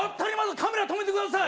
カメラ止めてください